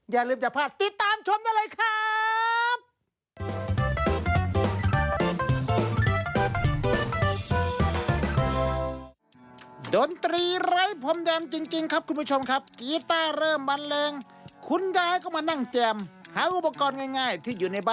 อย่าลืมจะพลาดติดตามชมได้เลยครับ